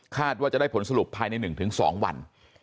ว่าจะได้ผลสรุปภายใน๑๒วัน